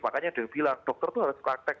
makanya ada yang bilang dokter itu harus praktek